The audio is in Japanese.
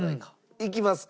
いきますか。